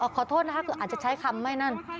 ขอโทษนะคะคืออาจจะใช้คำไม่นั่น